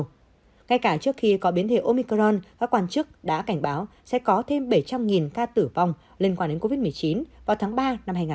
ngay cả trước khi có biến thể omicron các quan chức đã cảnh báo sẽ có thêm bảy trăm linh ca tử vong liên quan đến covid một mươi chín vào tháng ba năm hai nghìn hai mươi